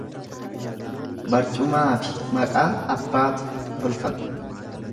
Barcumaafi maqaa abbaatu tolfata.